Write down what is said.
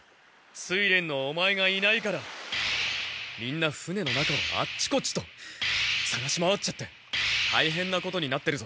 水練のオマエがいないからみんな船の中をあっちこっちとさがし回っちゃってたいへんなことになってるぞ。